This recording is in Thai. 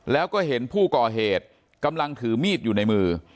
แล้วก็เห็นผู้ก่อเหตุกำลังถือมีดอยู่ในมือ